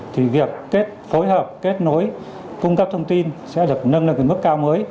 thì việc phối hợp kết nối cung cấp thông tin sẽ được nâng lên mức cao mới